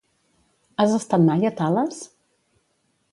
Has estat mai a Tales?